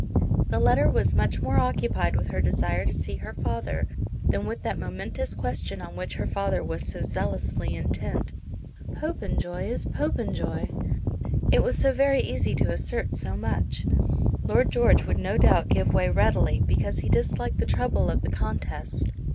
The letter was much more occupied with her desire to see her father than with that momentous question on which her father was so zealously intent. Popenjoy is Popenjoy! It was very easy to assert so much. Lord George would no doubt give way readily, because he disliked the trouble of the contest.